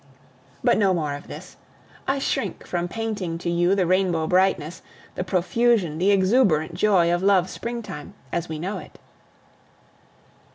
But no more of this. I shrink from painting to you the rainbow brightness, the profusion, the exuberant joy of love's springtime, as we know it.